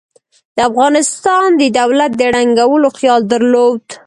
د افغانستان د دولت د ړنګولو خیال درلود.